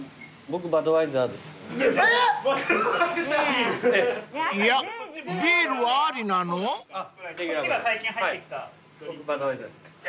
僕バドワイザーにします。